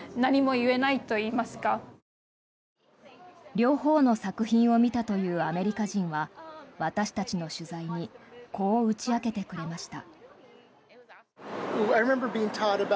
両方の作品を見たというアメリカ人は私たちの取材にこう打ち明けてくれました。